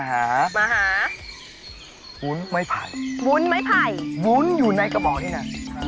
พาแปรมีไหมน่ะพาแปรมีไหมน่ะ